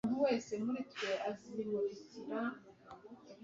ibyo ari byo byose, nzavuga ntamutinye